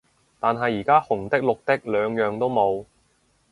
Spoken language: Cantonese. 但係而家紅的綠的兩樣都冇